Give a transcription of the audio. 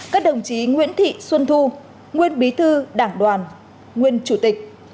các đồng chí nguyễn thị xuân thu nguyên bí thư đảng đoàn nguyên chủ tịch